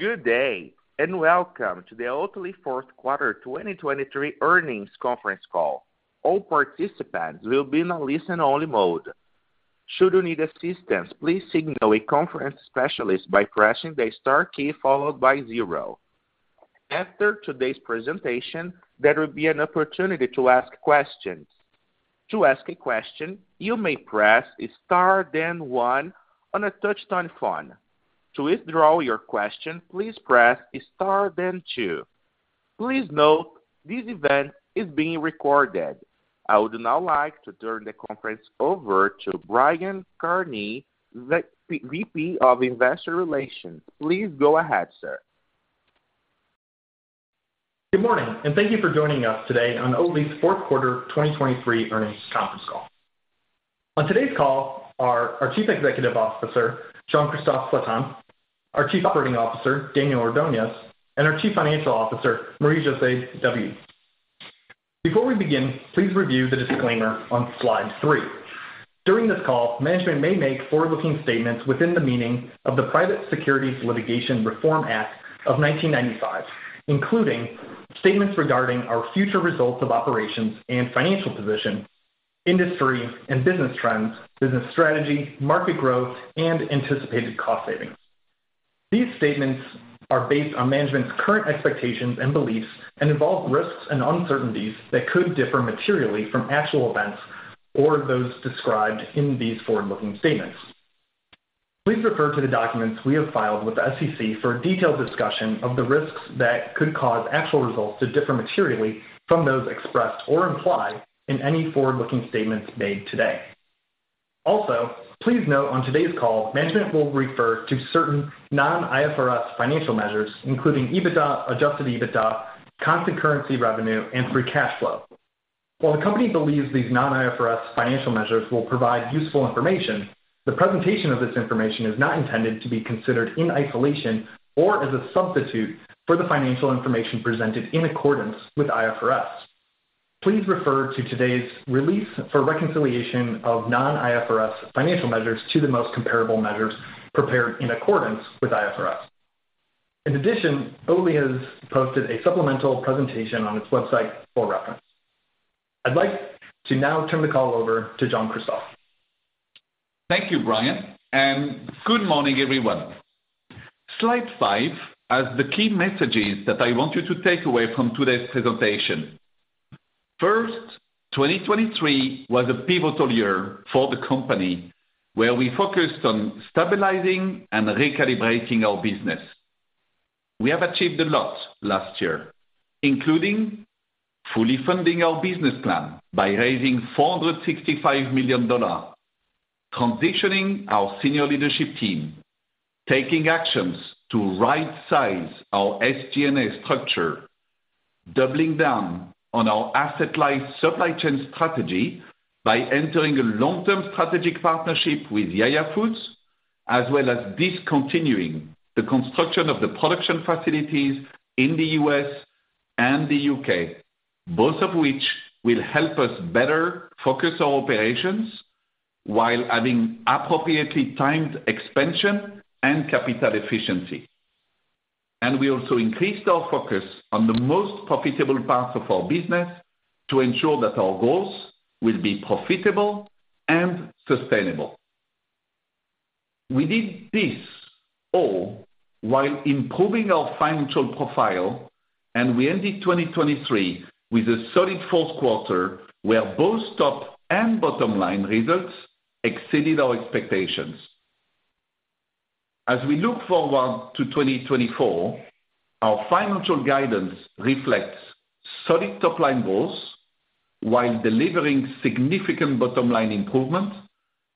Good day and welcome to the Oatly Fourth Quarter 2023 Earnings Conference Call. All participants will be in a listen-only mode. Should you need assistance, please signal a conference specialist by pressing the star key followed by zero. After today's presentation, there will be an opportunity to ask questions. To ask a question, you may press star then one on a touchscreen phone. To withdraw your question, please press star then two. Please note, this event is being recorded. I would now like to turn the conference over to Brian Kearney, VP of Investor Relations. Please go ahead, sir. Good morning, and thank you for joining us today on Oatly's Fourth Quarter 2023 Earnings Conference Call. On today's call are our Chief Executive Officer, Jean-Christophe Flatin, our Chief Operating Officer, Daniel Ordonez, and our Chief Financial Officer, Marie-Jose David. Before we begin, please review the disclaimer on slide 3. During this call, management may make forward-looking statements within the meaning of the Private Securities Litigation Reform Act of 1995, including statements regarding our future results of operations and financial position, industry and business trends, business strategy, market growth, and anticipated cost savings. These statements are based on management's current expectations and beliefs and involve risks and uncertainties that could differ materially from actual events or those described in these forward-looking statements. Please refer to the documents we have filed with the SEC for a detailed discussion of the risks that could cause actual results to differ materially from those expressed or implied in any forward-looking statements made today. Also, please note on today's call, management will refer to certain non-IFRS financial measures, including EBITDA, adjusted EBITDA, constant currency revenue, and free cash flow. While the company believes these non-IFRS financial measures will provide useful information, the presentation of this information is not intended to be considered in isolation or as a substitute for the financial information presented in accordance with IFRS. Please refer to today's release for reconciliation of non-IFRS financial measures to the most comparable measures prepared in accordance with IFRS. In addition, Oatly has posted a supplemental presentation on its website for reference. I'd like to now turn the call over to Jean-Christophe. Thank you, Brian, and good morning, everyone. Slide 5 has the key messages that I want you to take away from today's presentation. First, 2023 was a pivotal year for the company where we focused on stabilizing and recalibrating our business. We have achieved a lot last year, including fully funding our business plan by raising $465 million, transitioning our senior leadership team, taking actions to right-size our SG&A structure, doubling down on our asset-light supply chain strategy by entering a long-term strategic partnership with Ya YA Foods, as well as discontinuing the construction of the production facilities in the U.S. and the U.K., both of which will help us better focus our operations while having appropriately timed expansion and capital efficiency. We also increased our focus on the most profitable parts of our business to ensure that our goals will be profitable and sustainable. We did this all while improving our financial profile, and we ended 2023 with a solid fourth quarter where both top and bottom line results exceeded our expectations. As we look forward to 2024, our financial guidance reflects solid top line goals while delivering significant bottom line improvements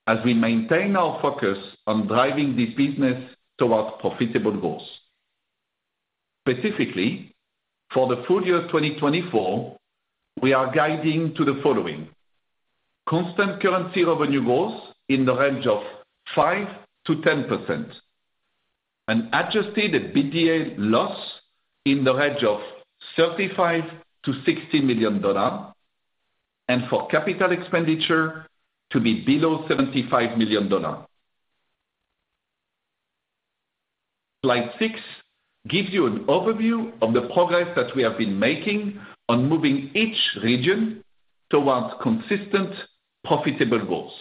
as we maintain our focus on driving this business towards profitable goals. Specifically, for the full year 2024, we are guiding to the following: constant currency revenue growth in the range of 5%-10%, an adjusted EBITDA loss in the range of $35-$60 million, and for capital expenditure to be below $75 million. Slide 6 gives you an overview of the progress that we have been making on moving each region towards consistent profitable goals.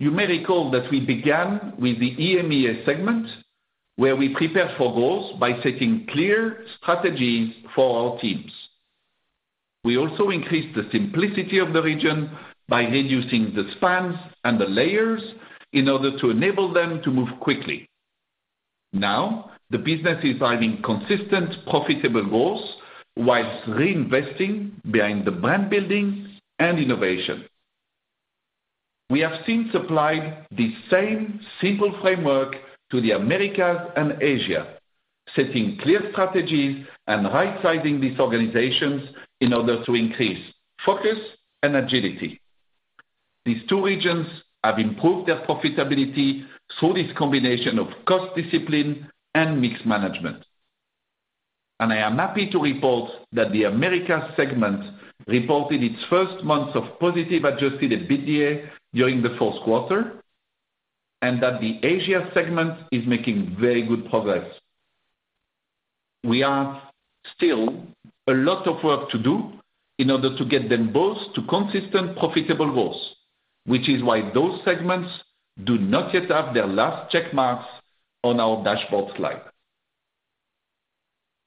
You may recall that we began with the EMEA segment where we prepared for goals by setting clear strategies for our teams. We also increased the simplicity of the region by reducing the spans and the layers in order to enable them to move quickly. Now, the business is driving consistent profitable goals while reinvesting behind the brand building and innovation. We have since applied the same simple framework to the Americas and Asia, setting clear strategies and right-sizing these organizations in order to increase focus and agility. These two regions have improved their profitability through this combination of cost discipline and mix management. And I am happy to report that the Americas segment reported its first months of positive Adjusted EBITDA during the fourth quarter, and that the Asia segment is making very good progress. We have still a lot of work to do in order to get them both to consistent profitable goals, which is why those segments do not yet have their last checkmarks on our dashboard slide.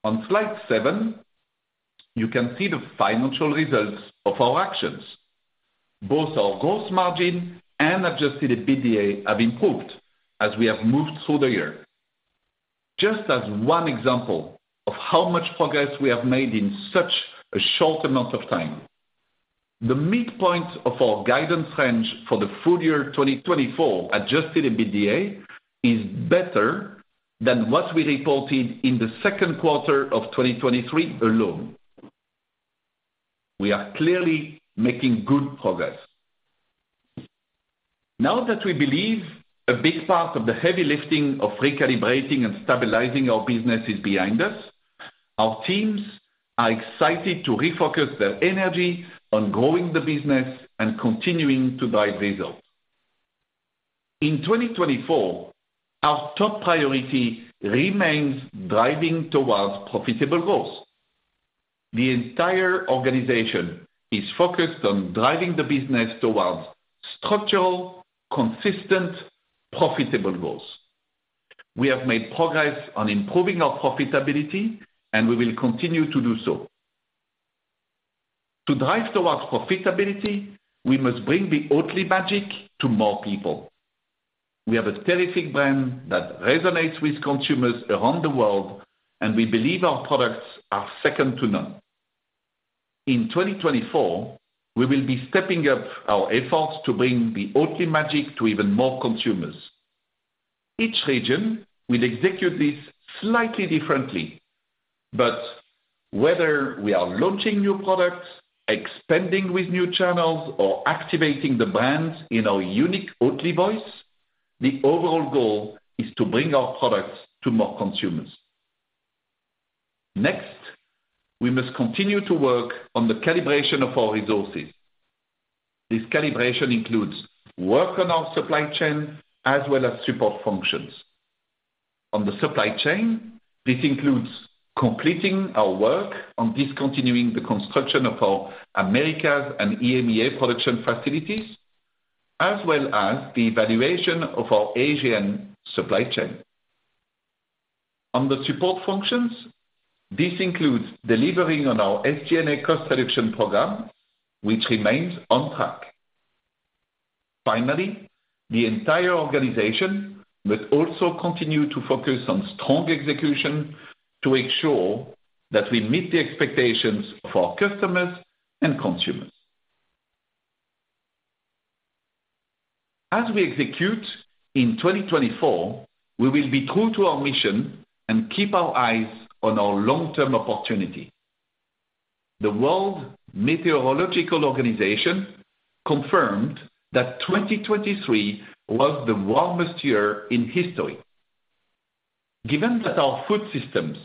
On slide 7, you can see the financial results of our actions. Both our gross margin and adjusted EBITDA have improved as we have moved through the year. Just as one example of how much progress we have made in such a short amount of time, the midpoint of our guidance range for the full year 2024 adjusted EBITDA is better than what we reported in the second quarter of 2023 alone. We are clearly making good progress. Now that we believe a big part of the heavy lifting of recalibrating and stabilizing our business is behind us, our teams are excited to refocus their energy on growing the business and continuing to drive results. In 2024, our top priority remains driving towards profitable goals. The entire organization is focused on driving the business towards structural, consistent, profitable goals. We have made progress on improving our profitability, and we will continue to do so. To drive towards profitability, we must bring the Oatly magic to more people. We have a terrific brand that resonates with consumers around the world, and we believe our products are second to none. In 2024, we will be stepping up our efforts to bring the Oatly magic to even more consumers. Each region will execute this slightly differently, but whether we are launching new products, expanding with new channels, or activating the brand in our unique Oatly voice, the overall goal is to bring our products to more consumers. Next, we must continue to work on the calibration of our resources. This calibration includes work on our supply chain as well as support functions. On the supply chain, this includes completing our work on discontinuing the construction of our Americas and EMEA production facilities, as well as the evaluation of our Asian supply chain. On the support functions, this includes delivering on our SG&A cost reduction program, which remains on track. Finally, the entire organization must also continue to focus on strong execution to ensure that we meet the expectations of our customers and consumers. As we execute in 2024, we will be true to our mission and keep our eyes on our long-term opportunity. The World Meteorological Organization confirmed that 2023 was the warmest year in history. Given that our food systems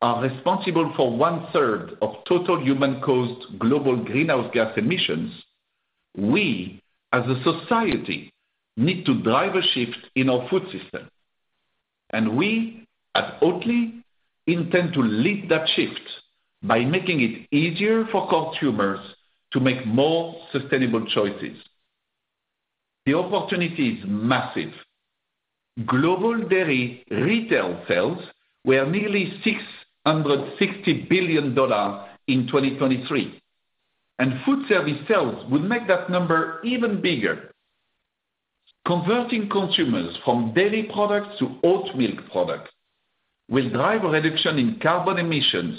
are responsible for one-third of total human-caused global greenhouse gas emissions, we, as a society, need to drive a shift in our food system. We, at Oatly, intend to lead that shift by making it easier for consumers to make more sustainable choices. The opportunity is massive. Global dairy retail sales were nearly $660 billion in 2023, and foodservice sales would make that number even bigger. Converting consumers from dairy products to oatmilk products will drive a reduction in carbon emissions,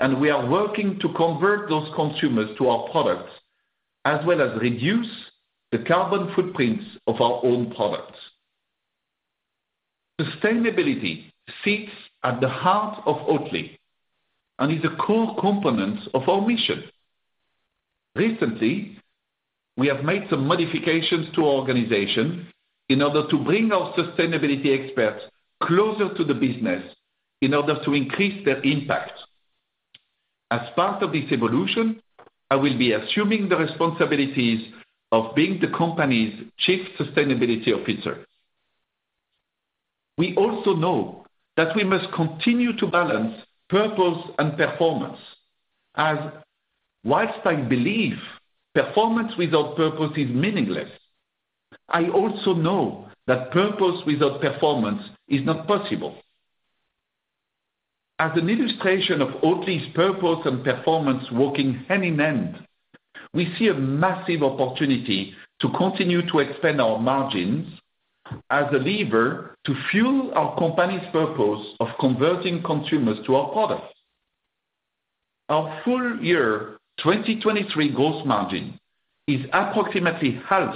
and we are working to convert those consumers to our products as well as reduce the carbon footprints of our own products. Sustainability sits at the heart of Oatly and is a core component of our mission. Recently, we have made some modifications to our organization in order to bring our sustainability experts closer to the business in order to increase their impact. As part of this evolution, I will be assuming the responsibilities of being the company's Chief Sustainability Officer. We also know that we must continue to balance purpose and performance, as while I believe performance without purpose is meaningless, I also know that purpose without performance is not possible. As an illustration of Oatly's purpose and performance working hand in hand, we see a massive opportunity to continue to expand our margins as a lever to fuel our company's purpose of converting consumers to our products. Our full year 2023 gross margin is approximately half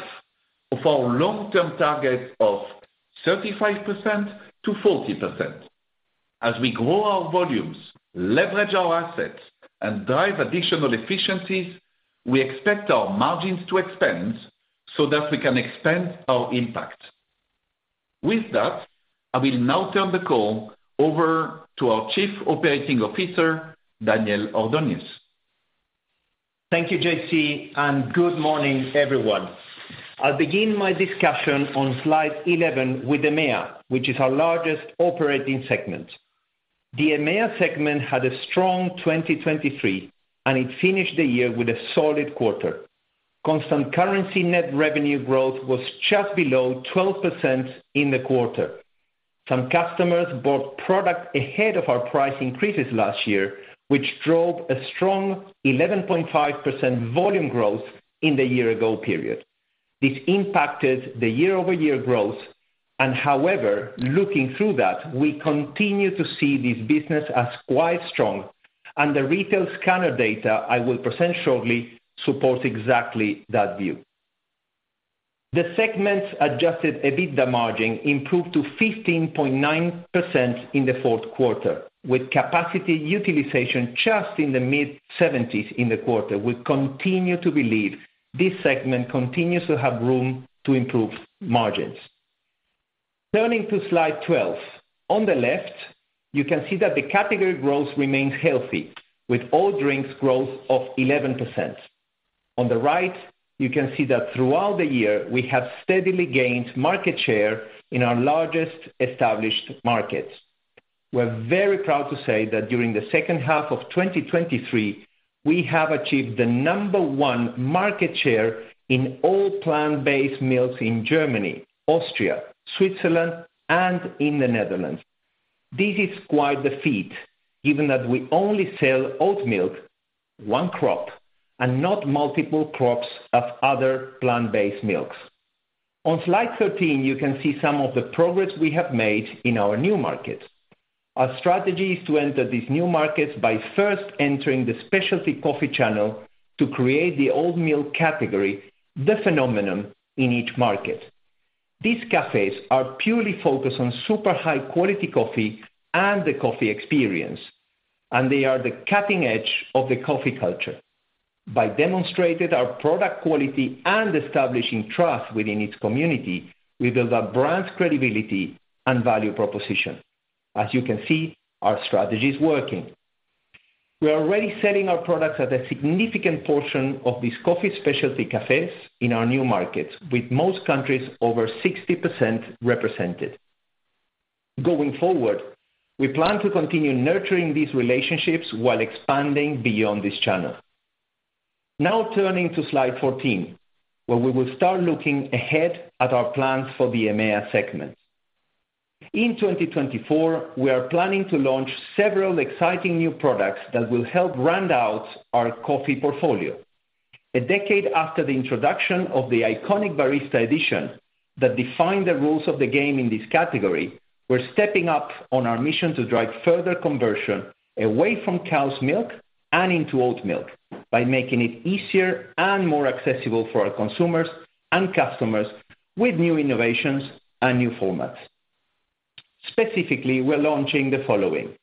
of our long-term target of 35%-40%. As we grow our volumes, leverage our assets, and drive additional efficiencies, we expect our margins to expand so that we can expand our impact. With that, I will now turn the call over to our Chief Operating Officer, Daniel Ordonez. Thank you, JC, and good morning, everyone. I'll begin my discussion on slide 11 with EMEA, which is our largest operating segment. The EMEA segment had a strong 2023, and it finished the year with a solid quarter. Constant currency net revenue growth was just below 12% in the quarter. Some customers bought product ahead of our price increases last year, which drove a strong 11.5% volume growth in the year-ago period. This impacted the year-over-year growth, and however, looking through that, we continue to see this business as quite strong, and the retail scanner data I will present shortly support exactly that view. The segment's Adjusted EBITDA margin improved to 15.9% in the fourth quarter, with capacity utilization just in the mid-70s in the quarter. We continue to believe this segment continues to have room to improve margins. Turning to slide 12, on the left, you can see that the category growth remains healthy, with all drinks growth of 11%. On the right, you can see that throughout the year, we have steadily gained market share in our largest established markets. We're very proud to say that during the second half of 2023, we have achieved the number one market share in all plant-based milks in Germany, Austria, Switzerland, and in the Netherlands. This is quite the feat, given that we only sell oatmilk, one crop, and not multiple crops of other plant-based milks. On slide 13, you can see some of the progress we have made in our new markets. Our strategy is to enter these new markets by first entering the specialty coffee channel to create the oatmilk category, the phenomenon in each market. These cafes are purely focused on super high-quality coffee and the coffee experience, and they are the cutting edge of the coffee culture. By demonstrating our product quality and establishing trust within its community, we build up brand credibility and value proposition. As you can see, our strategy is working. We are already selling our products at a significant portion of these coffee specialty cafes in our new markets, with most countries over 60% represented. Going forward, we plan to continue nurturing these relationships while expanding beyond this channel. Now turning to slide 14, where we will start looking ahead at our plans for the EMEA segment. In 2024, we are planning to launch several exciting new products that will help round out our coffee portfolio. A decade after the introduction of the iconic Barista Edition that defined the rules of the game in this category, we're stepping up on our mission to drive further conversion away from cow's milk and into oatmilk by making it easier and more accessible for our consumers and customers with new innovations and new formats. Specifically, we're launching the following: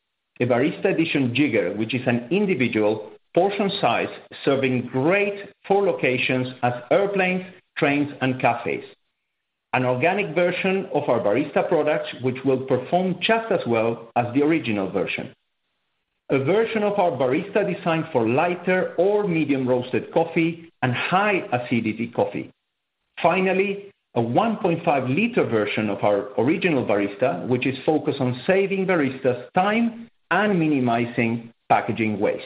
a Barista Edition Jigger, which is an individual portion size serving great for locations as airplanes, trains, and cafes. An organic version of our Barista products, which will perform just as well as the original version. A version of our Barista designed for lighter or medium roasted coffee and high acidity coffee. Finally, a 1.5-liter version of our original Barista, which is focused on saving baristas time and minimizing packaging waste.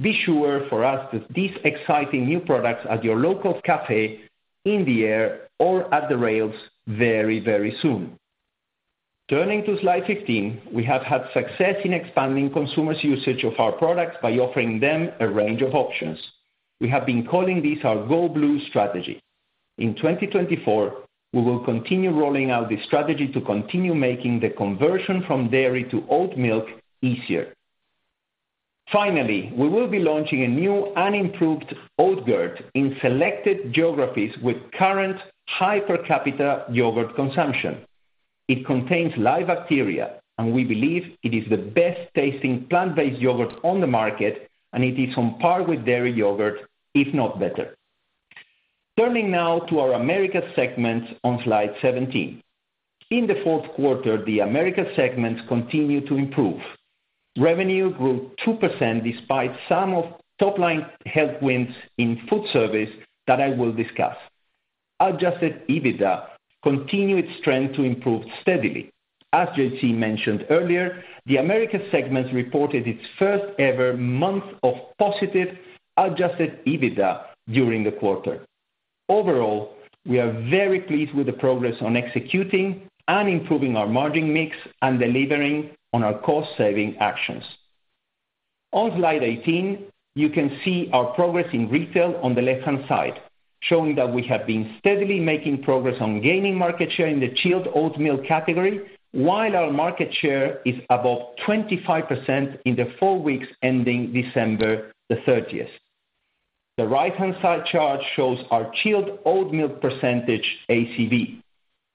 Be sure to find these exciting new products at your local cafe, in the air, or at the rails very, very soon. Turning to slide 15, we have had success in expanding consumers' usage of our products by offering them a range of options. We have been calling this our Go Blue Strategy. In 2024, we will continue rolling out this strategy to continue making the conversion from dairy to oatmilk easier. Finally, we will be launching a new and improved Oatgurt in selected geographies with current high per capita yogurt consumption. It contains live bacteria, and we believe it is the best-tasting plant-based yogurt on the market, and it is on par with dairy yogurt, if not better. Turning now to our Americas segment on slide 17. In the fourth quarter, the Americas segment continues to improve. Revenue grew 2% despite some of the top-line health wins in foodservice that I will discuss. Adjusted EBITDA continued its strength to improve steadily. As JC mentioned earlier, the Americas segments reported its first-ever month of positive adjusted EBITDA during the quarter. Overall, we are very pleased with the progress on executing and improving our margin mix and delivering on our cost-saving actions. On slide 18, you can see our progress in retail on the left-hand side, showing that we have been steadily making progress on gaining market share in the chilled oatmilk category while our market share is above 25% in the four weeks ending December 30th. The right-hand side chart shows our chilled oatmilk percentage, ACV.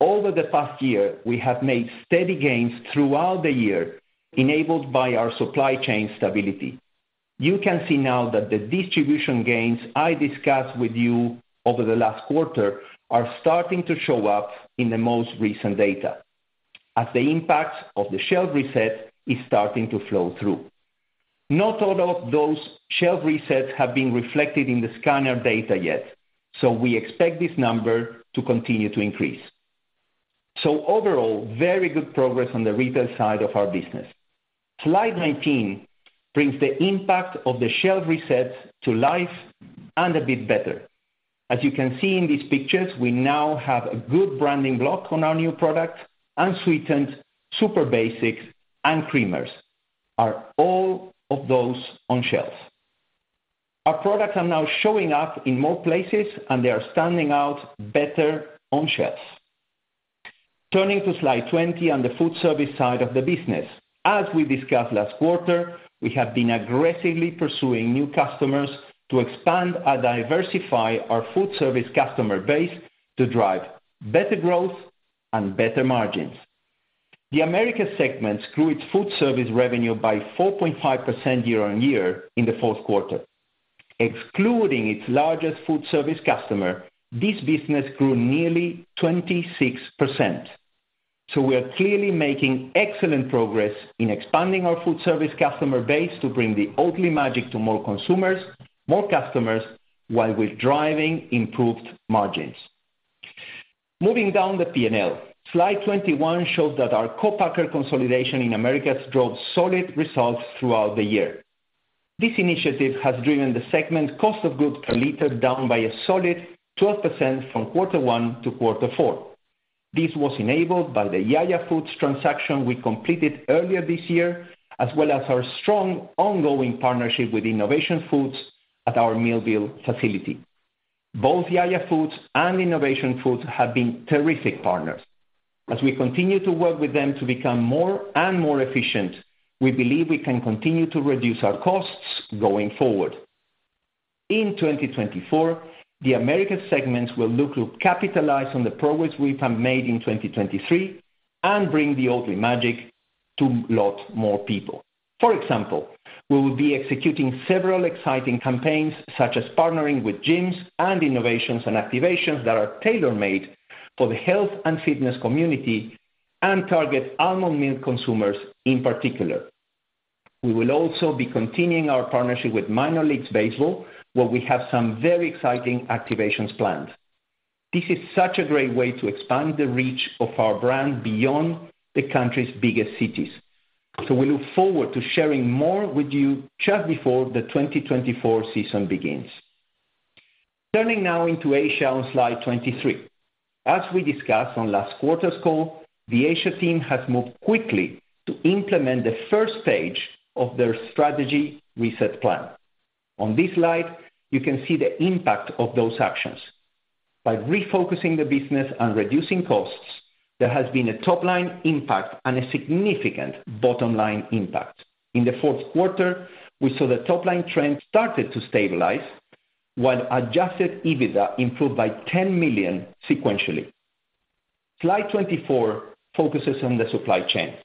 Over the past year, we have made steady gains throughout the year, enabled by our supply chain stability. You can see now that the distribution gains I discussed with you over the last quarter are starting to show up in the most recent data, as the impact of the shelf reset is starting to flow through. Not all of those shelf resets have been reflected in the scanner data yet, so we expect this number to continue to increase. Overall, very good progress on the retail side of our business. Slide 19 brings the impact of the shelf reset to life and a bit better. As you can see in these pictures, we now have a good branding block on our new products and sweetened Super Basics and creamers are all of those on shelves. Our products are now showing up in more places, and they are standing out better on shelves. Turning to slide 20 on the foodservice side of the business. As we discussed last quarter, we have been aggressively pursuing new customers to expand and diversify our foodservice customer base to drive better growth and better margins. The Americas segments grew its foodservice revenue by 4.5% year-on-year in the fourth quarter. Excluding its largest foodservice customer, this business grew nearly 26%. So we are clearly making excellent progress in expanding our foodservice customer base to bring the Oatly magic to more consumers, more customers, while we're driving improved margins. Moving down the P&L, slide 21 shows that our co-packer consolidation in Americas drove solid results throughout the year. This initiative has driven the segment's cost of goods per liter down by a solid 12% from quarter one to quarter four. This was enabled by the Ya YA Foods transaction we completed earlier this year, as well as our strong ongoing partnership with Innovation Foods at our Millville facility. Both Ya YA Foods and Innovation Foods have been terrific partners. As we continue to work with them to become more and more efficient, we believe we can continue to reduce our costs going forward. In 2024, the Americas segments will look to capitalize on the progress we've made in 2023 and bring the Oatly magic to a lot more people. For example, we will be executing several exciting campaigns such as partnering with gyms and innovations and activations that are tailor-made for the health and fitness community and target almond milk consumers in particular. We will also be continuing our partnership with Minor League Baseball, where we have some very exciting activations planned. This is such a great way to expand the reach of our brand beyond the country's biggest cities. So we look forward to sharing more with you just before the 2024 season begins. Turning now into Asia on Slide 23. As we discussed on last quarter's call, the Asia team has moved quickly to implement the first stage of their strategy reset plan. On this slide, you can see the impact of those actions. By refocusing the business and reducing costs, there has been a top-line impact and a significant bottom-line impact. In the fourth quarter, we saw the top-line trend started to stabilize, while Adjusted EBITDA improved by $10 million sequentially. Slide 24 focuses on the supply chain.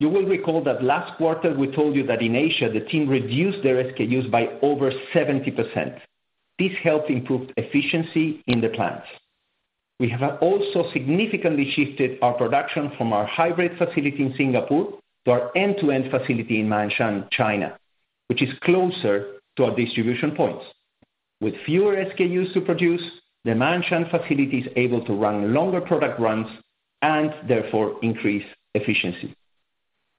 You will recall that last quarter we told you that in Asia, the team reduced their SKUs by over 70%. This helped improve efficiency in the plants. We have also significantly shifted our production from our hybrid facility in Singapore to our end-to-end facility in Ma'anshan, China, which is closer to our distribution points. With fewer SKUs to produce, the Ma'anshan facility is able to run longer product runs and, therefore, increase efficiency.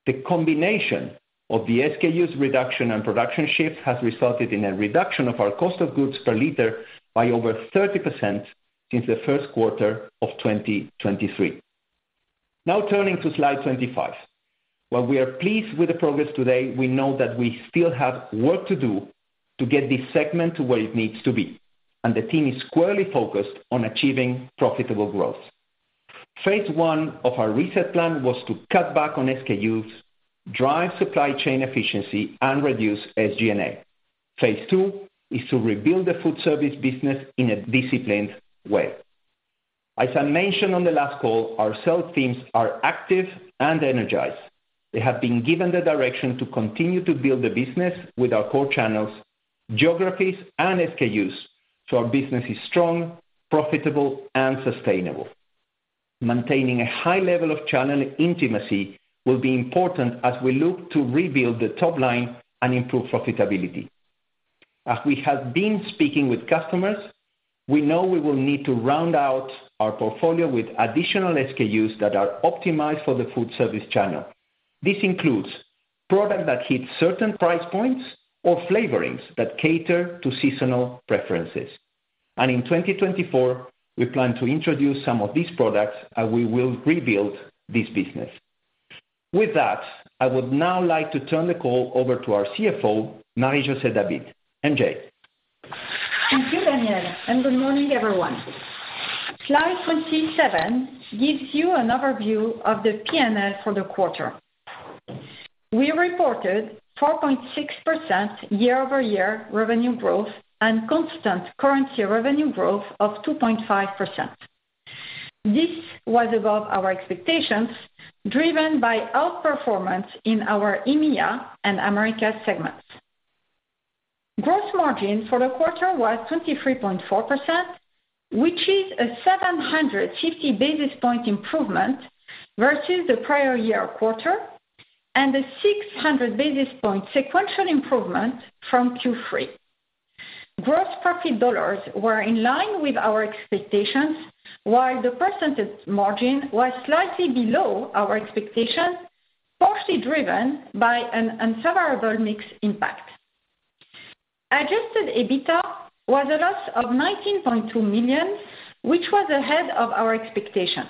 The combination of the SKUs reduction and production shift has resulted in a reduction of our cost of goods per liter by over 30% since the first quarter of 2023. Now turning to slide 25. While we are pleased with the progress today, we know that we still have work to do to get this segment to where it needs to be, and the team is squarely focused on achieving profitable growth. Phase I of our reset plan was to cut back on SKUs, drive supply chain efficiency, and reduce SG&A. Phase II is to rebuild the foodservice business in a disciplined way. As I mentioned on the last call, our sales teams are active and energized. They have been given the direction to continue to build the business with our core channels, geographies, and SKUs, so our business is strong, profitable, and sustainable. Maintaining a high level of channel intimacy will be important as we look to rebuild the top-line and improve profitability. As we have been speaking with customers, we know we will need to round out our portfolio with additional SKUs that are optimized for the foodservice channel. This includes products that hit certain price points or flavorings that cater to seasonal preferences. In 2024, we plan to introduce some of these products, and we will rebuild this business. With that, I would now like to turn the call over to our CFO, Marie-Jose David, M.J. Thank you, Daniel, and good morning, everyone. Slide 27 gives you an overview of the P&L for the quarter. We reported 4.6% year-over-year revenue growth and constant currency revenue growth of 2.5%. This was above our expectations, driven by outperformance in our EMEA and Americas segments. Gross margin for the quarter was 23.4%, which is a 750 basis points improvement versus the prior year quarter and a 600 basis points sequential improvement from Q3. Gross profit dollars were in line with our expectations, while the percentage margin was slightly below our expectations, partially driven by an unfavorable mix impact. Adjusted EBITDA was a loss of $19.2 million, which was ahead of our expectations.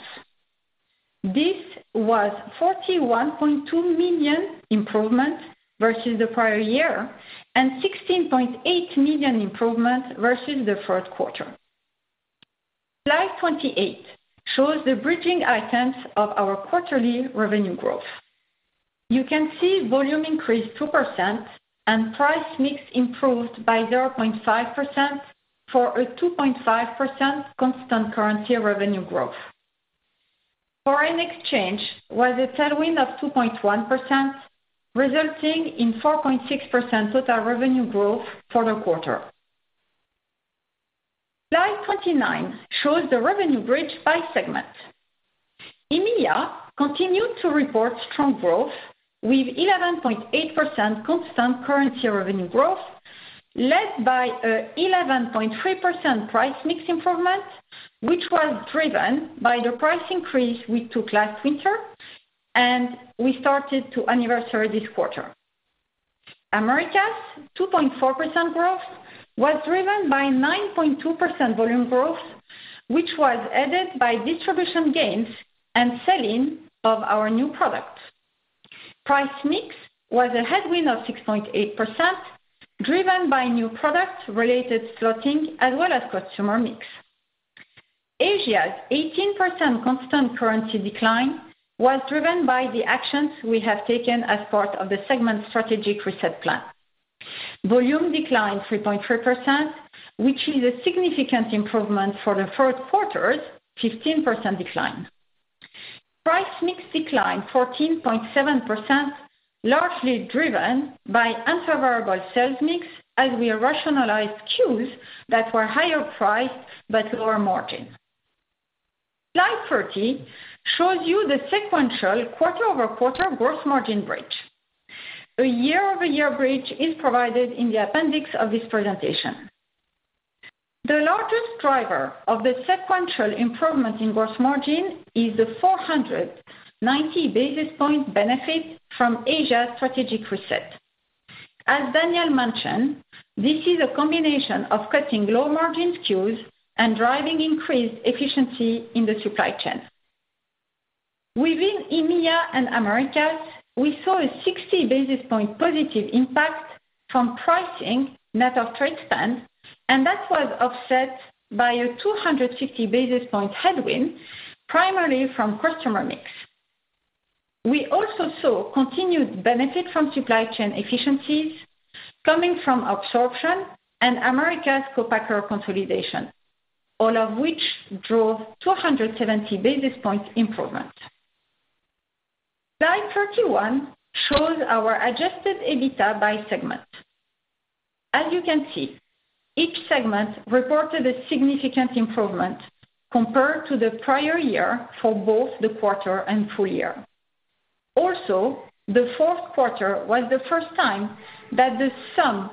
This was $41.2 million improvement versus the prior year and $16.8 million improvement versus the fourth quarter. Slide 28 shows the bridging items of our quarterly revenue growth. You can see volume increased 2% and price mix improved by 0.5% for a 2.5% Constant Currency Revenue growth. Foreign exchange was a tailwind of 2.1%, resulting in 4.6% total revenue growth for the quarter. Slide 29 shows the revenue bridge by segment. EMEA continued to report strong growth with 11.8% Constant Currency Revenue growth led by an 11.3% price mix improvement, which was driven by the price increase we took last winter, and we started to anniversary this quarter. Americas' 2.4% growth was driven by 9.2% volume growth, which was added by distribution gains and selling of our new products. Price mix was a headwind of 6.8%, driven by new product-related slotting as well as customer mix. Asia's 18% constant currency decline was driven by the actions we have taken as part of the segment's strategic reset plan. Volume declined 3.3%, which is a significant improvement for the fourth quarter's 15% decline. Price mix decline 14.7%, largely driven by unfavorable sales mix as we rationalized SKUs that were higher priced but lower margin. Slide 30 shows you the sequential quarter-over-quarter gross margin bridge. A year-over-year bridge is provided in the appendix of this presentation. The largest driver of the sequential improvement in gross margin is the 490 basis point benefit from Asia's strategic reset. As Daniel mentioned, this is a combination of cutting low-margin SKUs and driving increased efficiency in the supply chain. Within EMEA and Americas, we saw a 60 basis point positive impact from pricing net of trade spend, and that was offset by a 250 basis point headwind primarily from customer mix. We also saw continued benefit from supply chain efficiencies coming from absorption and America's co-packer consolidation, all of which drove 270 basis point improvement. Slide 31 shows our Adjusted EBITDA by segment. As you can see, each segment reported a significant improvement compared to the prior year for both the quarter and full year. Also, the fourth quarter was the first time that the sum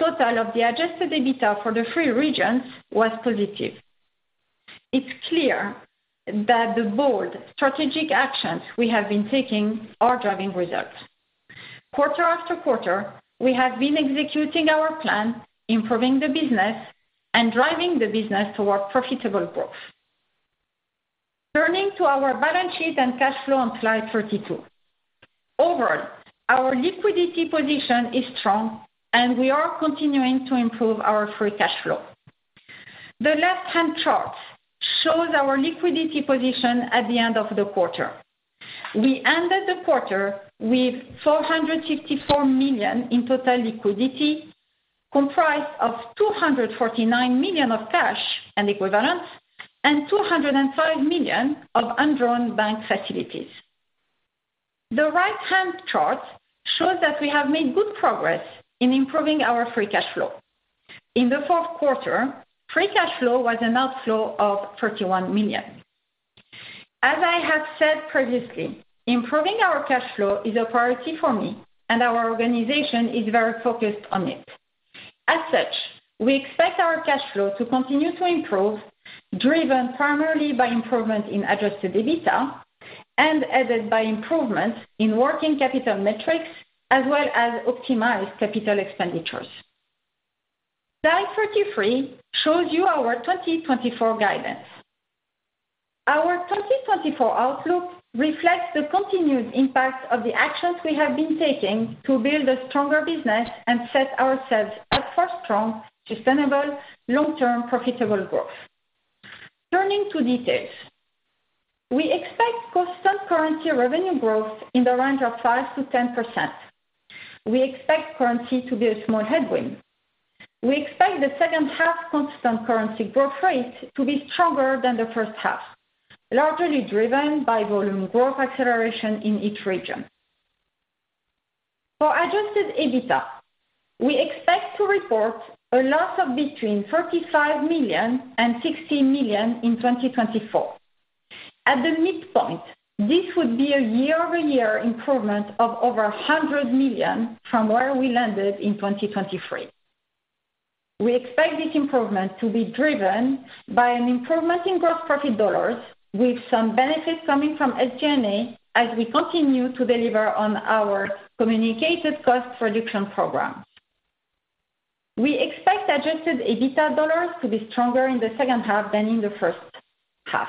total of the Adjusted EBITDA for the three regions was positive. It's clear that the bold strategic actions we have been taking are driving results. Quarter after quarter, we have been executing our plan, improving the business, and driving the business toward profitable growth. Turning to our balance sheet and cash flow on slide 32. Overall, our liquidity position is strong, and we are continuing to improve our free cash flow. The left-hand chart shows our liquidity position at the end of the quarter. We ended the quarter with $454 million in total liquidity comprised of $249 million of cash and equivalents and $205 million of undrawn bank facilities. The right-hand chart shows that we have made good progress in improving our free cash flow. In the fourth quarter, free cash flow was an outflow of $31 million. As I have said previously, improving our cash flow is a priority for me, and our organization is very focused on it. As such, we expect our cash flow to continue to improve, driven primarily by improvement in Adjusted EBITDA and added by improvements in working capital metrics as well as optimized capital expenditures. Slide 33 shows you our 2024 guidance. Our 2024 outlook reflects the continued impact of the actions we have been taking to build a stronger business and set ourselves up for strong, sustainable, long-term profitable growth. Turning to details, we expect constant currency revenue growth in the range of 5%-10%. We expect currency to be a small headwind. We expect the second half constant currency growth rate to be stronger than the first half, largely driven by volume growth acceleration in each region. For Adjusted EBITDA, we expect to report a loss of between $35 million-$60 million in 2024. At the midpoint, this would be a year-over-year improvement of over $100 million from where we landed in 2023. We expect this improvement to be driven by an improvement in gross profit dollars with some benefits coming from SG&A as we continue to deliver on our communicated cost reduction program. We expect Adjusted EBITDA dollars to be stronger in the second half than in the first half.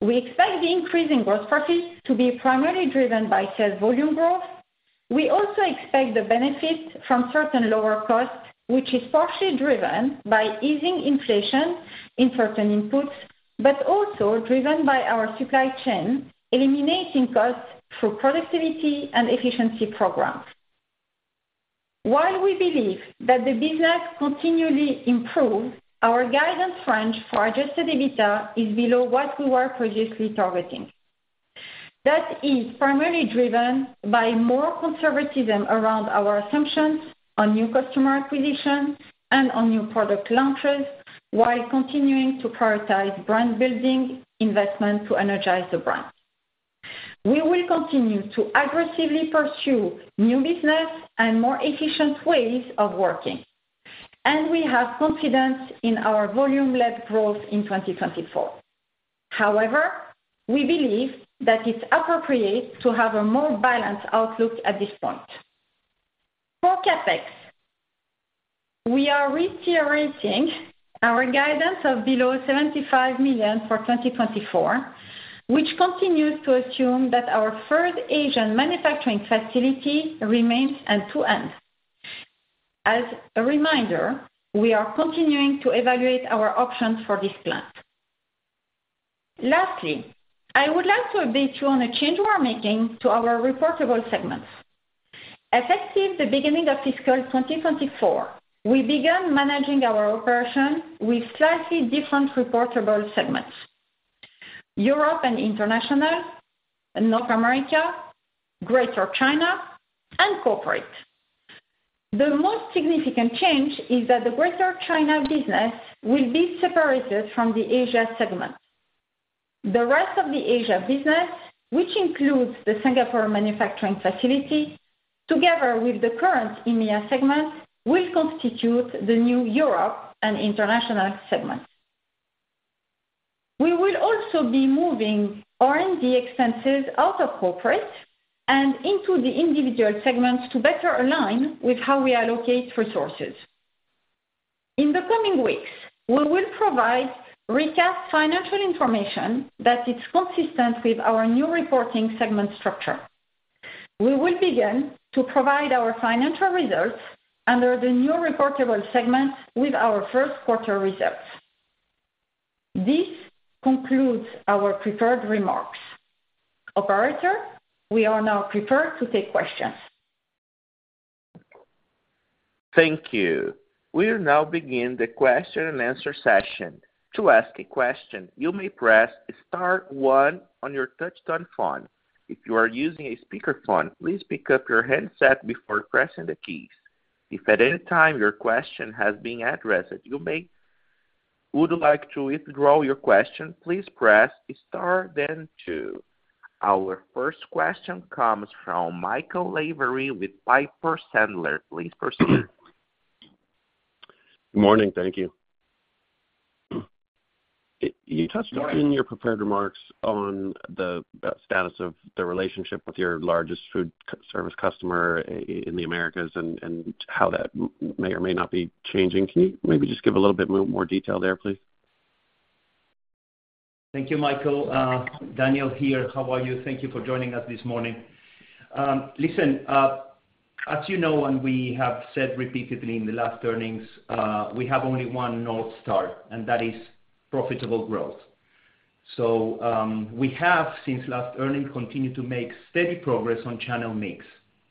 We expect the increase in gross profit to be primarily driven by sales volume growth. We also expect the benefit from certain lower costs, which is partially driven by easing inflation in certain inputs but also driven by our supply chain eliminating costs through productivity and efficiency programs. While we believe that the business continually improves, our guidance range for Adjusted EBITDA is below what we were previously targeting. That is primarily driven by more conservatism around our assumptions on new customer acquisition and on new product launches while continuing to prioritize brand building investment to energize the brand. We will continue to aggressively pursue new business and more efficient ways of working, and we have confidence in our volume-led growth in 2024. However, we believe that it's appropriate to have a more balanced outlook at this point. For CapEx, we are reiterating our guidance of below $75 million for 2024, which continues to assume that our third Asian manufacturing facility remains end-to-end. As a reminder, we are continuing to evaluate our options for this plant. Lastly, I would like to update you on a change we are making to our reportable segments. Effective the beginning of fiscal 2024, we began managing our operation with slightly different reportable segments: Europe and International, North America, Greater China, and Corporate. The most significant change is that the Greater China business will be separated from the Asia segment. The rest of the Asia business, which includes the Singapore manufacturing facility together with the current EMEA segment, will constitute the new Europe and International segment. We will also be moving R&D expenses out of corporate and into the individual segments to better align with how we allocate resources. In the coming weeks, we will provide recap financial information that is consistent with our new reporting segment structure. We will begin to provide our financial results under the new reportable segments with our first quarter results. This concludes our preferred remarks. Operator, we are now prepared to take questions. Thank you. We will now begin the question-and-answer session. To ask a question, you may press star one on your touchscreen phone. If you are using a speakerphone, please pick up your headset before pressing the keys. If at any time your question has been addressed, you may would like to withdraw your question, please press star then two. Our first question comes from Michael Lavery with Piper Sandler. Please proceed. Good morning. Thank you. You touched upon your prepared remarks on the status of the relationship with your largest foodservice customer in the Americas and how that may or may not be changing. Can you maybe just give a little bit more detail there, please? Thank you, Michael. Daniel here. How are you? Thank you for joining us this morning. Listen, as you know, and we have said repeatedly in the last earnings, we have only one North Star, and that is profitable growth. So we have, since last earning, continued to make steady progress on channel mix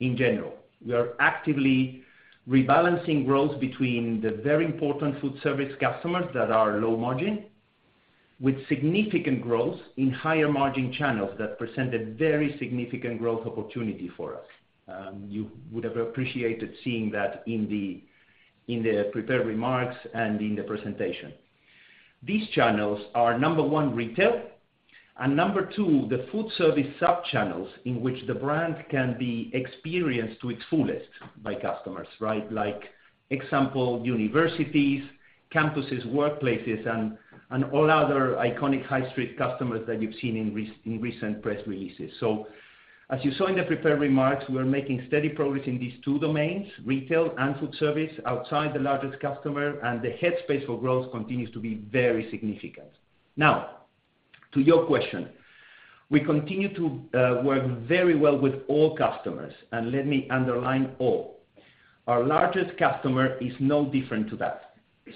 in general. We are actively rebalancing growth between the very important foodservice customers that are low margin with significant growth in higher margin channels that present a very significant growth opportunity for us. You would have appreciated seeing that in the prepared remarks and in the presentation. These channels are, number one, retail and, number two, the foodservice subchannels in which the brand can be experienced to its fullest by customers, right? Example, universities, campuses, workplaces, and all other iconic high street customers that you've seen in recent press releases. So as you saw in the prepared remarks, we are making steady progress in these two domains, retail and foodservice, outside the largest customer, and the headspace for growth continues to be very significant. Now, to your question, we continue to work very well with all customers, and let me underline all. Our largest customer is no different to that.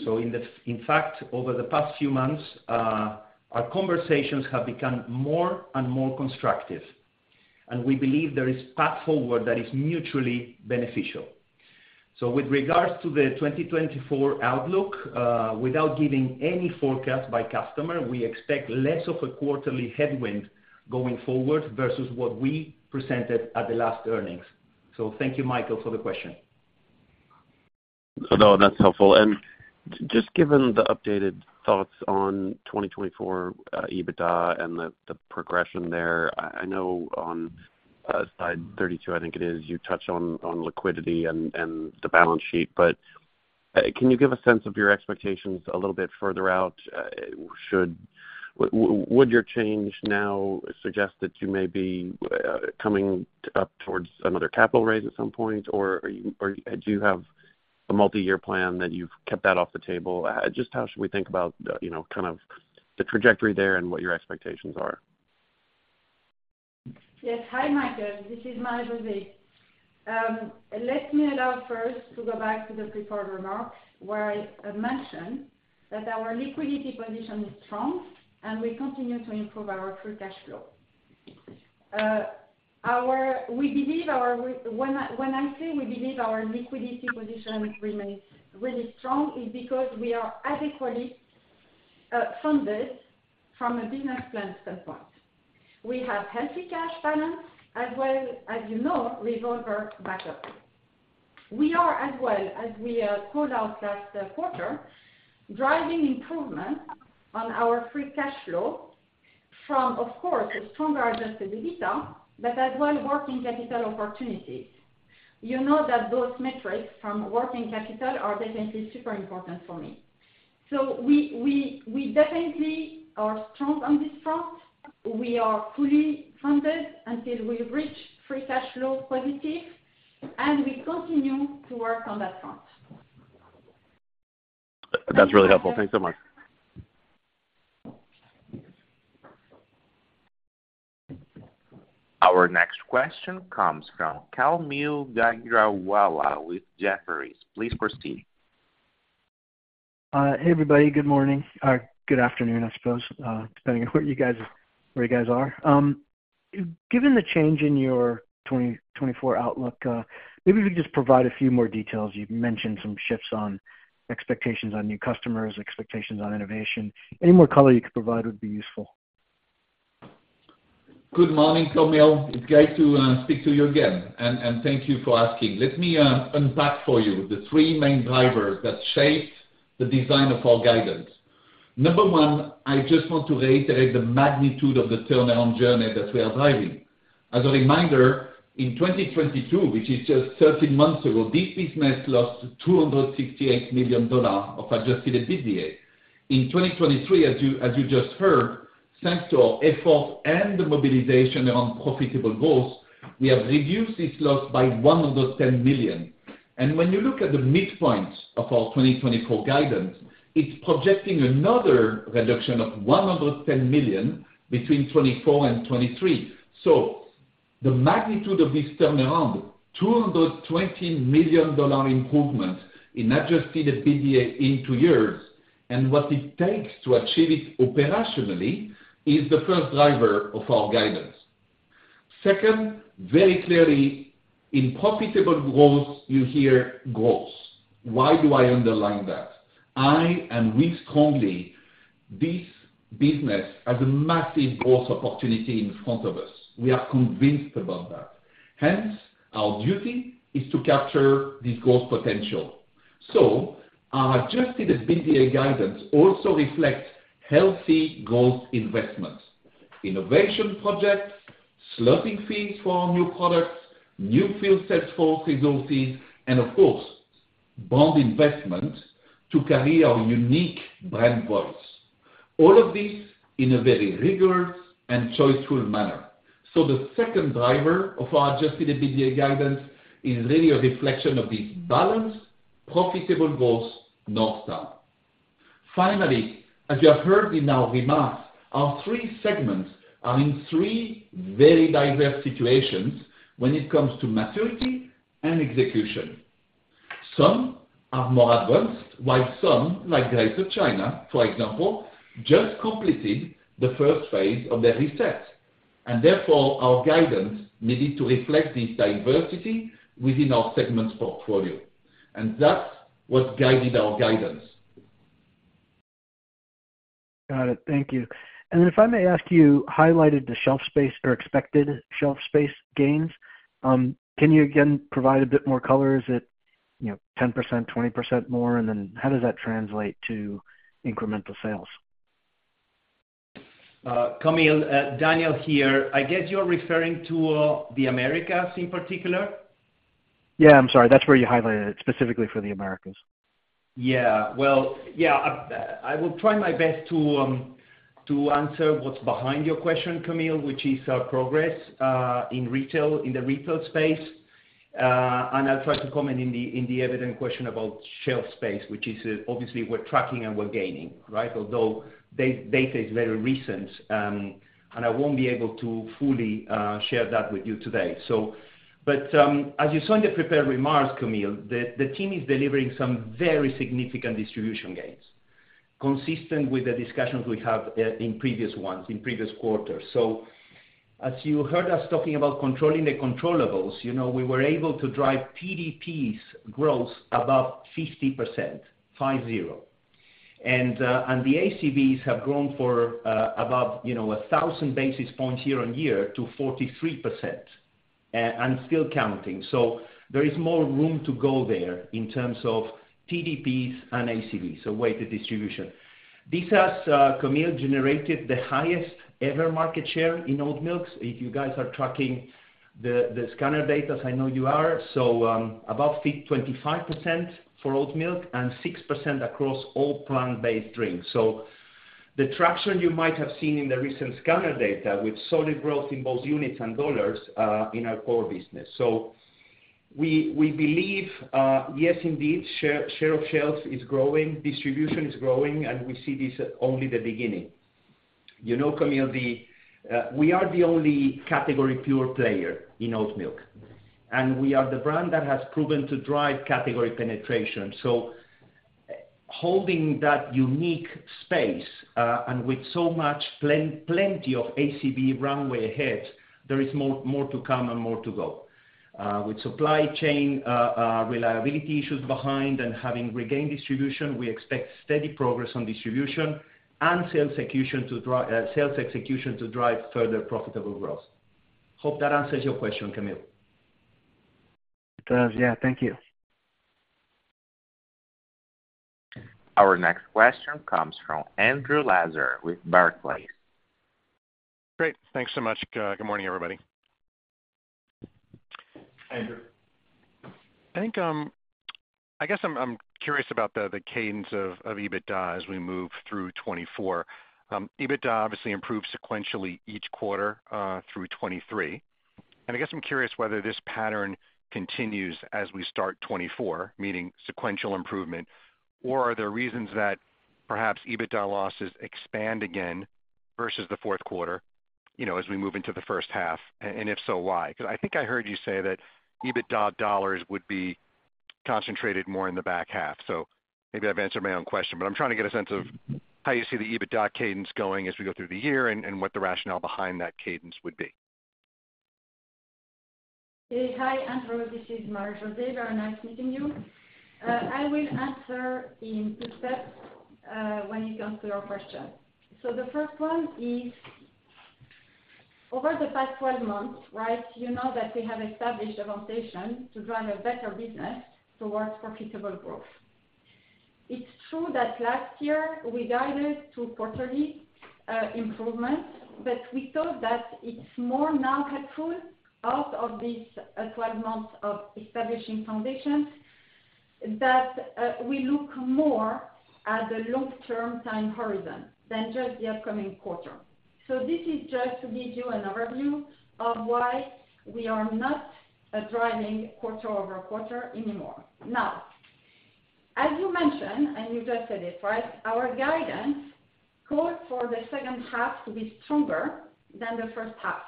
So in fact, over the past few months, our conversations have become more and more constructive, and we believe there is path forward that is mutually beneficial. So with regards to the 2024 outlook, without giving any forecast by customer, we expect less of a quarterly headwind going forward versus what we presented at the last earnings. So thank you, Michael, for the question. No, that's helpful. And just given the updated thoughts on 2024 EBITDA and the progression there, I know on slide 32, I think it is, you touched on liquidity and the balance sheet. But can you give a sense of your expectations a little bit further out? Would your change now suggest that you may be coming up towards another capital raise at some point, or do you have a multi-year plan that you've kept that off the table? Just how should we think about kind of the trajectory there and what your expectations are? Yes. Hi, Michael. This is Marie-Jose. Let me first go back to the prepared remarks where I mentioned that our liquidity position is strong, and we continue to improve our free cash flow. When I say we believe our liquidity position remains really strong, it's because we are adequately funded from a business plan standpoint. We have healthy cash balance as well as, you know, revolver backup. We are, as well as we called out last quarter, driving improvements on our free cash flow from, of course, a stronger Adjusted EBITDA but as well working capital opportunities. You know that those metrics from working capital are definitely super important for me. So we definitely are strong on this front. We are fully funded until we reach free cash flow positive, and we continue to work on that front. That's really helpful. Thanks so much. Our next question comes from Kaumil Gajrawala with Jefferies. Please proceed. Hey, everybody. Good morning. Good afternoon, I suppose, depending on where you guys are. Given the change in your 2024 outlook, maybe if you could just provide a few more details. You've mentioned some shifts on expectations on new customers, expectations on innovation. Any more color you could provide would be useful. Good morning, Kaumil. It's great to speak to you again, and thank you for asking. Let me unpack for you the three main drivers that shape the design of our guidance. Number one, I just want to reiterate the magnitude of the turnaround journey that we are driving. As a reminder, in 2022, which is just 13 months ago, this business lost $268 million of Adjusted EBITDA. In 2023, as you just heard, thanks to our efforts and the mobilization around profitable growth, we have reduced this loss by $110 million. And when you look at the midpoint of our 2024 guidance, it's projecting another reduction of $110 million between 2024 and 2023. So the magnitude of this turnaround, $220 million improvement in Adjusted EBITDA in two years, and what it takes to achieve it operationally is the first driver of our guidance. Second, very clearly, in profitable growth, you hear growth. Why do I underline that? I and we strongly see this business as a massive growth opportunity in front of us. We are convinced about that. Hence, our duty is to capture this growth potential. So our Adjusted EBITDA guidance also reflects healthy growth investments: innovation projects, slotting fees for our new products, new field salesforce resources, and, of course, bond investment to carry our unique brand voice. All of this in a very rigorous and choiceful manner. So the second driver of our Adjusted EBITDA guidance is really a reflection of this balanced profitable growth North Star. Finally, as you have heard in our remarks, our three segments are in three very diverse situations when it comes to maturity and execution. Some are more advanced while some, like Greater China, for example, just completed the first phase of their reset, and therefore, our guidance needed to reflect this diversity within our segment portfolio. That's what guided our guidance. Got it. Thank you. And then if I may ask you, highlighted the shelf space or expected shelf space gains, can you again provide a bit more color? Is it 10%, 20% more, and then how does that translate to incremental sales? Kaumil, Daniel here. I guess you're referring to the Americas in particular? Yeah. I'm sorry. That's where you highlighted it, specifically for the Americas. Yeah. Well, yeah, I will try my best to answer what's behind your question, Kaumil, which is progress in the retail space. And I'll try to comment in the evident question about shelf space, which is obviously we're tracking and we're gaining, right? Although data is very recent, and I won't be able to fully share that with you today. But as you saw in the prepared remarks, Kaumil, the team is delivering some very significant distribution gains, consistent with the discussions we had in previous ones, in previous quarters. So as you heard us talking about controlling the controllables, we were able to drive TDPs growth above 50%, 50. And the ACVs have grown for above 1,000 basis points year-over-year to 43% and still counting. So there is more room to go there in terms of TDPs and ACVs, so weighted distribution. This has, Kaumil, generated the highest-ever market share in oatmilks. If you guys are tracking the scanner data, I know you are, so about 25% for oatmilk and 6% across all plant-based drinks. So the traction you might have seen in the recent scanner data with solid growth in both units and dollars in our core business. So we believe, yes, indeed, share of shelves is growing, distribution is growing, and we see this only the beginning. You know, Kaumil, we are the only category pure player in oatmilk, and we are the brand that has proven to drive category penetration. So holding that unique space and with so much plenty of ACV runway ahead, there is more to come and more to go. With supply chain reliability issues behind and having regained distribution, we expect steady progress on distribution and sales execution to drive further profitable growth. Hope that answers your question, Kaumil. It does. Yeah. Thank you. Our next question comes from Andrew Lazar with Barclays. Great. Thanks so much. Good morning, everybody. Andrew. I guess I'm curious about the cadence of EBITDA as we move through 2024. EBITDA obviously improves sequentially each quarter through 2023. I guess I'm curious whether this pattern continues as we start 2024, meaning sequential improvement, or are there reasons that perhaps EBITDA losses expand again versus the fourth quarter as we move into the first half? If so, why? Because I think I heard you say that EBITDA dollars would be concentrated more in the back half. Maybe I've answered my own question, but I'm trying to get a sense of how you see the EBITDA cadence going as we go through the year and what the rationale behind that cadence would be. Hey. Hi, Andrew. This is Marie-Jose. Very nice meeting you. I will answer in two steps when it comes to your question. So the first one is, over the past 12 months, right, you know that we have established a foundation to drive a better business towards profitable growth. It's true that last year, we guided to quarterly improvements, but we thought that it's more now helpful out of these 12 months of establishing foundations that we look more at the long-term time horizon than just the upcoming quarter. So this is just to give you an overview of why we are not driving quarter-over-quarter anymore. Now, as you mentioned, and you just said it, right, our guidance called for the second half to be stronger than the first half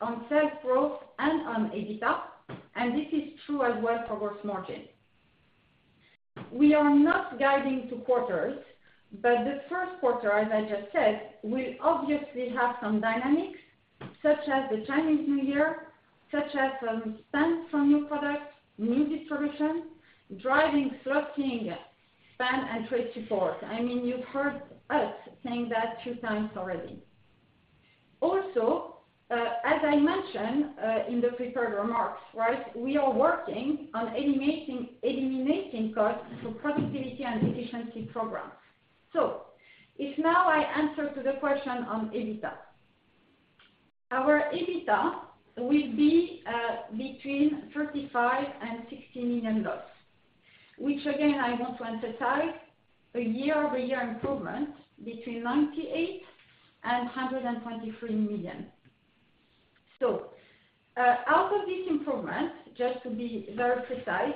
on sales growth and on EBITDA, and this is true as well for gross margin. We are not guiding to quarters, but the first quarter, as I just said, will obviously have some dynamics such as the Chinese New Year, such as spend from new products, new distribution, driving slotting spend and trade support. I mean, you've heard us saying that two times already. Also, as I mentioned in the prepared remarks, right, we are working on eliminating costs for productivity and efficiency programs. So if now I answer to the question on EBITDA, our EBITDA will be between $35 million and $60 million, which, again, I want to emphasize, a year-over-year improvement between $98 million and $123 million. So out of this improvement, just to be very precise,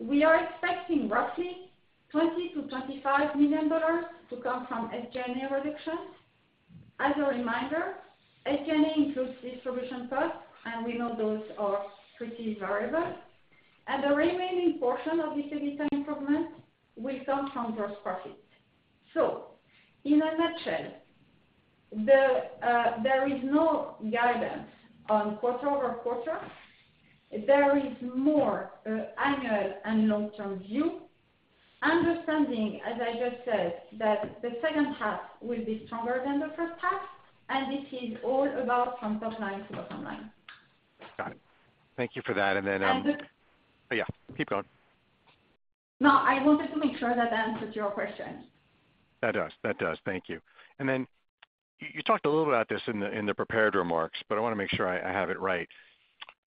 we are expecting roughly $20 million to $25 million to come from SG&A reductions. As a reminder, SG&A includes distribution costs, and we know those are pretty variable. The remaining portion of this EBITDA improvement will come from gross profit. In a nutshell, there is no guidance on quarter-over-quarter. There is more annual and long-term view, understanding, as I just said, that the second half will be stronger than the first half, and this is all about from top line to bottom line. Got it. Thank you for that. And then. And the. Yeah. Keep going. No, I wanted to make sure that I answered your question. That does. That does. Thank you. And then you talked a little bit about this in the prepared remarks, but I want to make sure I have it right.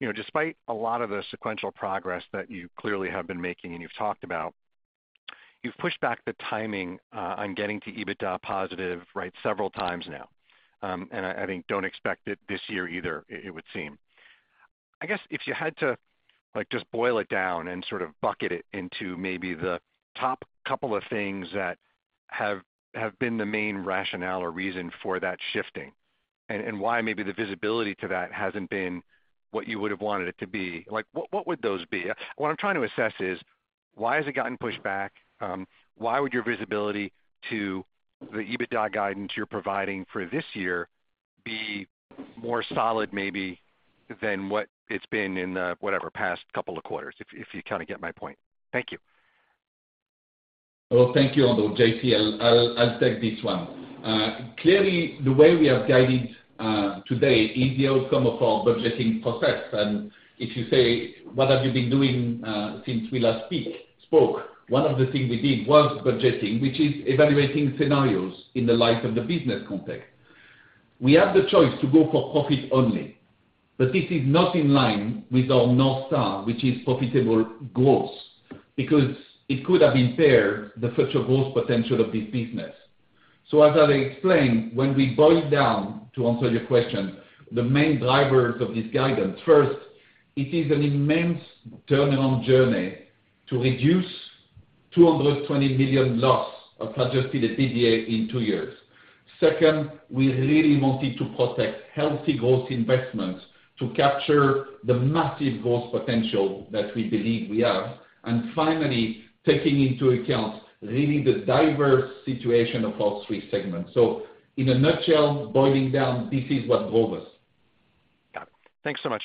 Despite a lot of the sequential progress that you clearly have been making and you've talked about, you've pushed back the timing on getting to EBITDA positive, right, several times now. And I think don't expect it this year either, it would seem. I guess if you had to just boil it down and sort of bucket it into maybe the top couple of things that have been the main rationale or reason for that shifting and why maybe the visibility to that hasn't been what you would have wanted it to be, what would those be? What I'm trying to assess is, why has it gotten pushed back? Why would your visibility to the EBITDA guidance you're providing for this year be more solid, maybe, than what it's been in the, whatever, past couple of quarters, if you kind of get my point? Thank you. Well, thank you, Andrew. JC, I'll take this one. Clearly, the way we have guided today is the outcome of our budgeting process. And if you say, "What have you been doing since we last spoke?" one of the things we did was budgeting, which is evaluating scenarios in the light of the business context. We have the choice to go for profit only, but this is not in line with our North Star, which is profitable growth because it could have impaired the future growth potential of this business. So as I explained, when we boil down, to answer your question, the main drivers of this guidance, first, it is an immense turnaround journey to reduce $220 million loss of adjusted EBITDA in two years. Second, we really wanted to protect healthy growth investments to capture the massive growth potential that we believe we have. Finally, taking into account really the diverse situation of our three segments. In a nutshell, boiling down, this is what drove us. Got it. Thanks so much.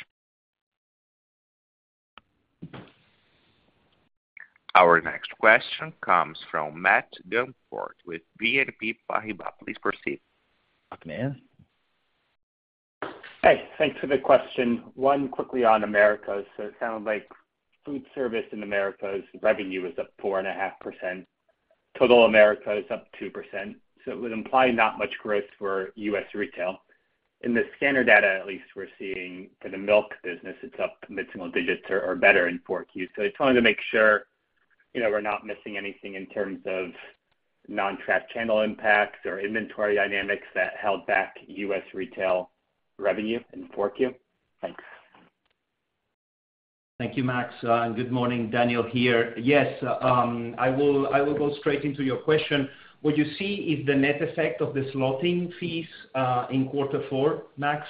Our next question comes from Max Gumport with BNP Paribas. Please proceed. Welcome in. Hey. Thanks for the question. One, quickly on Americas. So it sounded like foodservice in Americas' revenue is up 4.5%. Total Americas up 2%. So it would imply not much growth for U.S. retail. In the scanner data, at least, we're seeing for the milk business, it's up mid-single digits or better in 4Q. So I just wanted to make sure we're not missing anything in terms of non-track channel impacts or inventory dynamics that held back U.S. retail revenue in 4Q. Thanks. Thank you, Max. Good morning. Daniel here. Yes. I will go straight into your question. What you see is the net effect of the slotting fees in quarter four, Max.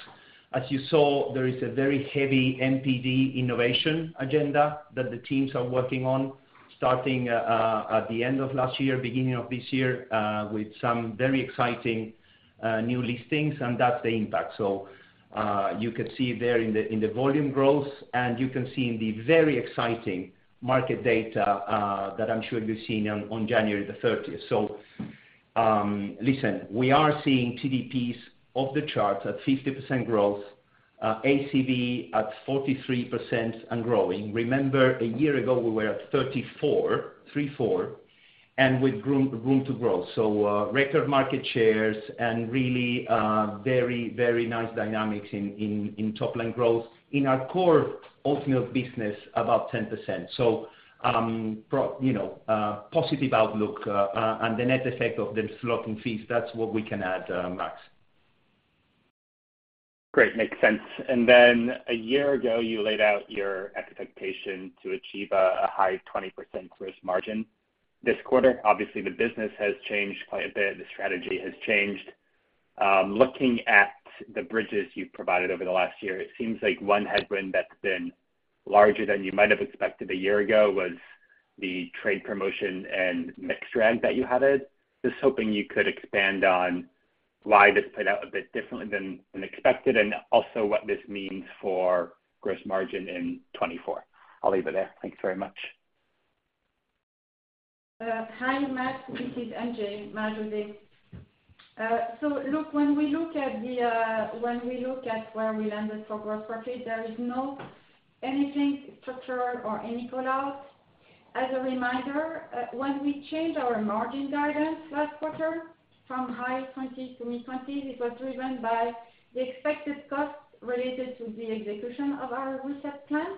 As you saw, there is a very heavy NPD innovation agenda that the teams are working on starting at the end of last year, beginning of this year, with some very exciting new listings. That's the impact. You could see there in the volume growth, and you can see in the very exciting market data that I'm sure you've seen on January 30th. Listen, we are seeing TDPs off the charts at 50% growth, ACV at 43% and growing. Remember, a year ago, we were at 34, 34, and with room to grow. Record market shares and really very, very nice dynamics in top line growth. In our core oatmilk business, about 10%. Positive outlook. The net effect of the slotting fees, that's what we can add, Max. Great. Makes sense. And then a year ago, you laid out your expectation to achieve a high 20% gross margin this quarter. Obviously, the business has changed quite a bit. The strategy has changed. Looking at the bridges you've provided over the last year, it seems like one headwind that's been larger than you might have expected a year ago was the trade promotion and mix drag that you had. Just hoping you could expand on why this played out a bit differently than expected and also what this means for gross margin in 2024. I'll leave it there. Thanks very much. Hi, Max. This is MJ. Marie-José here. So look, when we look at where we landed for gross profit, there is nothing structural or any callouts. As a reminder, when we changed our margin guidance last quarter from high 20s to mid-20s, it was driven by the expected costs related to the execution of our reset plan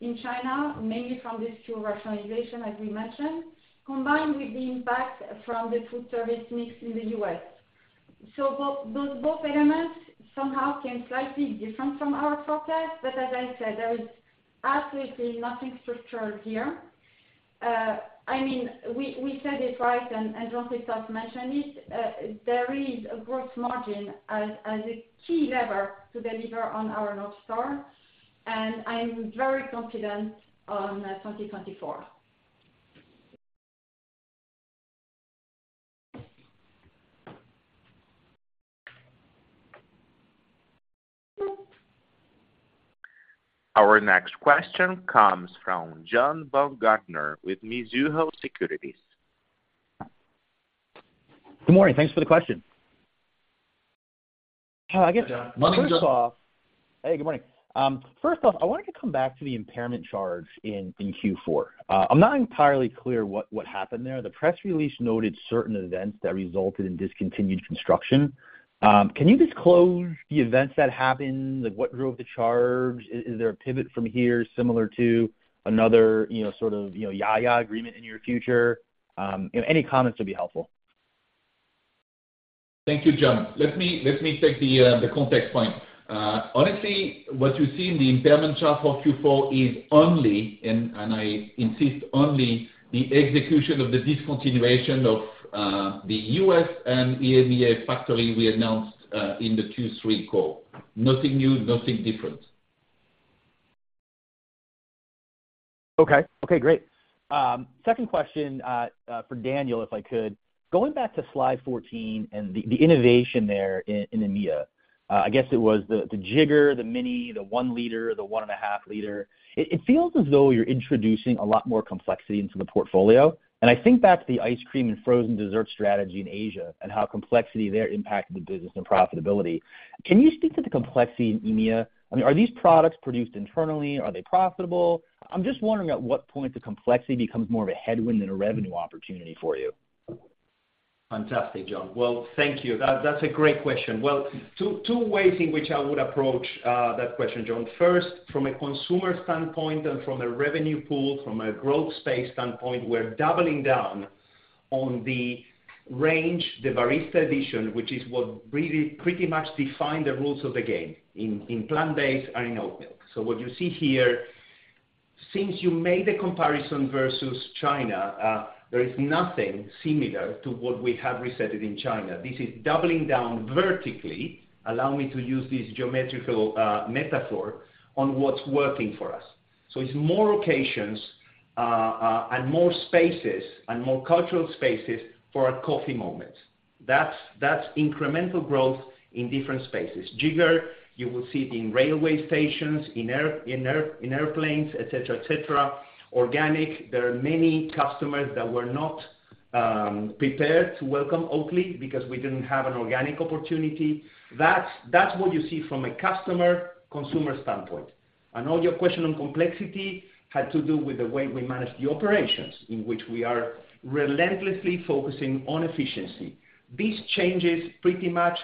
in China, mainly from this fleet rationalization, as we mentioned, combined with the impact from the foodservice mix in the U.S. So those both elements somehow came slightly different from our forecast. But as I said, there is absolutely nothing structural here. I mean, we said it right and Jean-Christophe mentioned it. There is a gross margin as a key lever to deliver on our North Star. I'm very confident on 2024. Our next question comes from John Baumgartner with Mizuho Securities. Good morning. Thanks for the question. I guess first off. Hey. Good morning. First off, I wanted to come back to the impairment charge in Q4. I'm not entirely clear what happened there. The press release noted certain events that resulted in discontinued construction. Can you disclose the events that happened? What drove the charge? Is there a pivot from here similar to another sort of Ya YA agreement in your future? Any comments would be helpful. Thank you, John. Let me take the context point. Honestly, what you see in the impairment chart for Q4 is only, and I insist, only the execution of the discontinuation of the U.S. and EMEA factory we announced in the Q3 call. Nothing new, nothing different. Okay. Okay. Great. Second question for Daniel, if I could. Going back to slide 14 and the innovation there in EMEA, I guess it was the Jigger, the Mini, the 1 liter, the 1.5 liter. It feels as though you're introducing a lot more complexity into the portfolio. And I think that's the ice cream and frozen dessert strategy in Asia and how complexity there impacted the business and profitability. Can you speak to the complexity in EMEA? I mean, are these products produced internally? Are they profitable? I'm just wondering at what point the complexity becomes more of a headwind than a revenue opportunity for you. Fantastic, John. Well, thank you. That's a great question. Well, two ways in which I would approach that question, John. First, from a consumer standpoint and from a revenue pool, from a growth space standpoint, we're doubling down on the range, the Barista Edition, which is what pretty much defined the rules of the game in plant-based and in oatmilk. So what you see here, since you made the comparison versus China, there is nothing similar to what we have resetted in China. This is doubling down vertically, allow me to use this geometrical metaphor, on what's working for us. So it's more occasions and more spaces and more cultural spaces for our coffee moments. That's incremental growth in different spaces. Jigger, you will see it in railway stations, in airplanes, etc., etc. Organic, there are many customers that were not prepared to welcome Oatly because we didn't have an organic opportunity. That's what you see from a customer consumer standpoint. And all your question on complexity had to do with the way we managed the operations in which we are relentlessly focusing on efficiency. These changes pretty much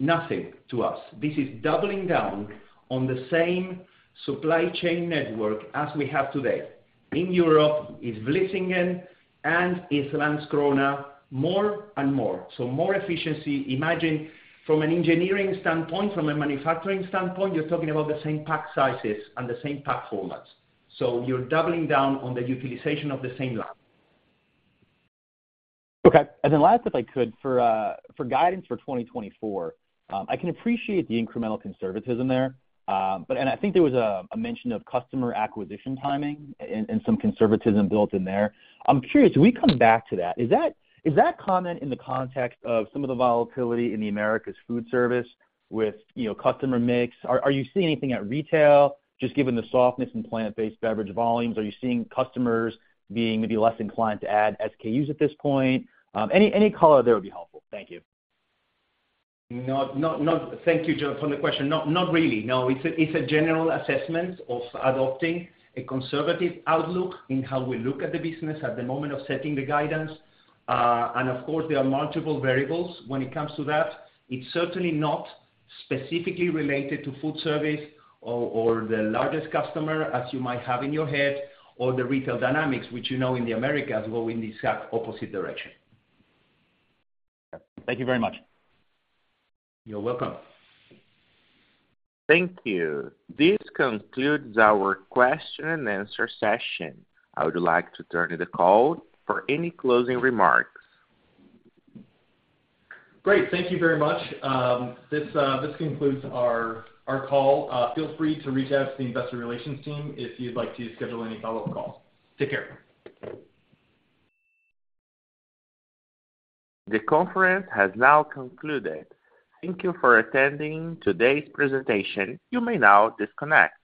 nothing to us. This is doubling down on the same supply chain network as we have today. In Europe is Vlissingen and is Landskrona more and more. So more efficiency. Imagine from an engineering standpoint, from a manufacturing standpoint, you're talking about the same pack sizes and the same pack formats. So you're doubling down on the utilization of the same line. Okay. Then last, if I could, for guidance for 2024, I can appreciate the incremental conservatism there. I think there was a mention of customer acquisition timing and some conservatism built in there. I'm curious. We come back to that. Is that comment in the context of some of the volatility in the Americas' foodservice with customer mix? Are you seeing anything at retail, just given the softness in plant-based beverage volumes? Are you seeing customers being maybe less inclined to add SKUs at this point? Any color there would be helpful. Thank you. Thank you, John, for the question. Not really. No. It's a general assessment of adopting a conservative outlook in how we look at the business at the moment of setting the guidance. And of course, there are multiple variables when it comes to that. It's certainly not specifically related to foodservice or the largest customer as you might have in your head or the retail dynamics, which you know in the Americas go in the exact opposite direction. Okay. Thank you very much. You're welcome. Thank you. This concludes our question and answer session. I would like to turn to the call for any closing remarks. Great. Thank you very much. This concludes our call. Feel free to reach out to the investor relations team if you'd like to schedule any follow-up calls. Take care. The conference has now concluded. Thank you for attending today's presentation. You may now disconnect.